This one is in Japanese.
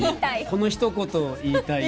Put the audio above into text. このひと言を言いたい。